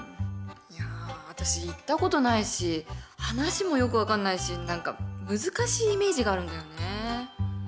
いや私行ったことないし話もよく分かんないし何か難しいイメージがあるんだよね。